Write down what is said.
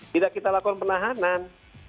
tidak kita lakukan penahanan